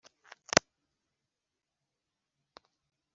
n ubuturo bw ingunzu g Imigi